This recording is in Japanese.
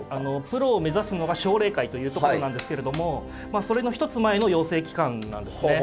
プロを目指すのが奨励会というところなんですけれどもそれの１つ前の養成機関なんですね。